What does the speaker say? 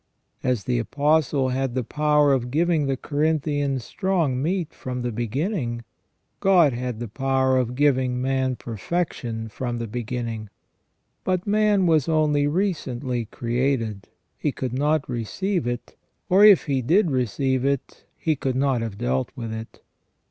As the Apostle had the power of giving the Corinthians strong meat from the beginning, God had the power of giving man perfection from the beginning ; but man was only recently created, he could not receive it, or, if he did receive it, be could not have dealt with it.